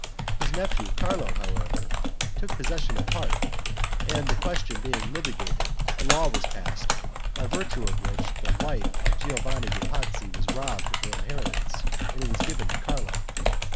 His nephew, Carlo, however, took possession of part, and the question being litigated, a law was passed, by virtue of which the wife of Giovanni de' Pazzi was robbed of her inheritance, and it was given to Carlo.